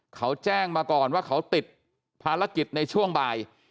เขาแจ้งมาก่อนว่าเขาติดภารกิจในช่วงบ่าย